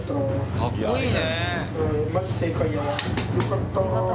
かっこいいね。